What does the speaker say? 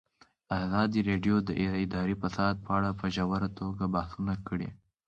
ازادي راډیو د اداري فساد په اړه په ژوره توګه بحثونه کړي.